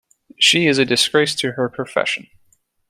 She is a disgrace to her profession.